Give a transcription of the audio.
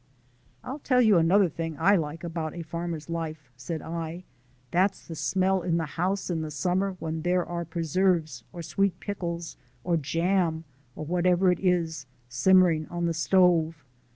"I'll tell you another thing I like about a farmer's life," said I, "that's the smell in the house in the summer when there are preserves, or sweet pickles, or jam, or whatever it is, simmering on the stove.